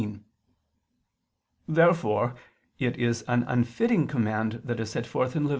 Therefore it is an unfitting command that is set forth in Lev.